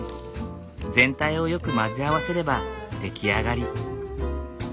全体をよく混ぜ合わせれば出来上がり。